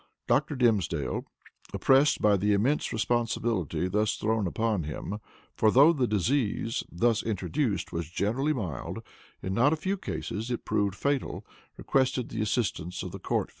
Dr. Dimsdale, oppressed by the immense responsibility thus thrown upon him, for though the disease, thus introduced, was generally mild, in not a few cases it proved fatal, requested the assistance of the court physicians.